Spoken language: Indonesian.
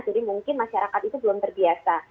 jadi mungkin masyarakat itu belum terbiasa